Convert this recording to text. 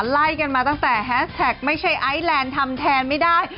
ไล่กันมาตั้งแต่แฮสแท็กไม่ใช่ไอแลนด์ทำแทนไม่ได้